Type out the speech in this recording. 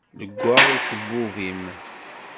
Leggaɣ ucebbub-im.